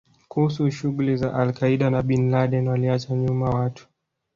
kuhusu shughuli za al Qaeda na Bin Laden Waliacha nyuma watu